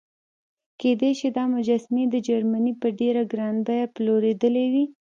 کېدای شي دا مجسمې دې جرمني په ډېره ګرانه بیه پیرودلې وي.